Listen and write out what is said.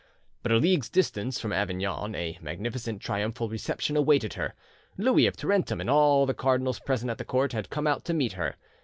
But a league's distance from Avignon a magnificent triumphal reception awaited her. Louis of Tarentum and all the cardinals present at the court had come out to meet her.